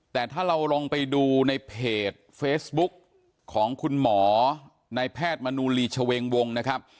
แต่ถ้าเราลองไปดูในเพจเฟซบุ๊กของคุณหมอในแพทย์มนูลีชเวงวงนะครับ